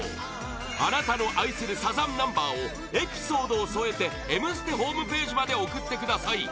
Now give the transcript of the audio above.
あなたの愛するサザンナンバーをエピソードを添えて「Ｍステ」ホームページまで送ってください